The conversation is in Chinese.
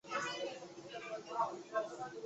位于内藏山南麓。